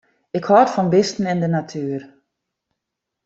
Ik hâld fan bisten en de natuer.